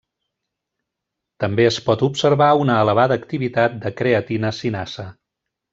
També es pot observar una elevada activitat de creatina-cinasa.